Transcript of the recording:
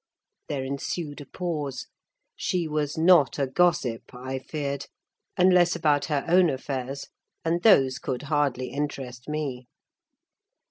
There ensued a pause. She was not a gossip, I feared; unless about her own affairs, and those could hardly interest me.